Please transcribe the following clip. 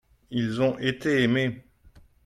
ils ont été aimé.